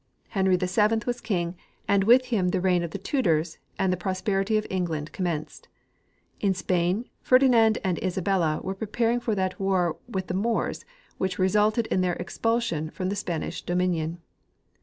Henry VII 6 Gardiner G. Hubbard — Discoverers of America. was king, and with him the reign of the Tudors and the pros perity of England commenced. In Spain, Ferdinand and Isabella Avere preparing for that Avar Avith the Moors Avhich resulted in their expulsion from the Sjian ish dominion.